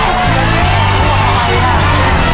เพื่อชิงทุนต่อชีวิตสุด๑ล้านบาท